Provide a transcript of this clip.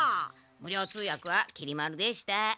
無料通やくはきり丸でした。